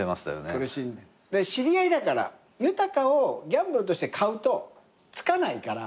苦しんで知り合いだから豊をギャンブルとして買うとつかないから。